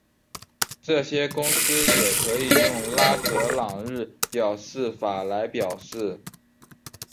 这些公式也可以用拉格朗日表示法来表示。